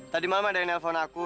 tadi malam ada yang nelfon aku